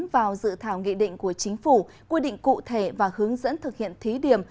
vào dự thảo nghị định của chính phủ quy định cụ thể và hướng dẫn thực hiện thí điểm